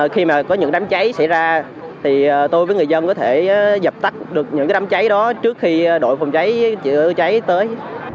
khi mà có những đám cháy xảy ra thì tôi với người dân có thể dập tắt được những đám cháy đó trước khi đội phòng cháy chữa cháy tới